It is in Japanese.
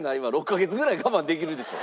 ６カ月ぐらい我慢できるでしょ。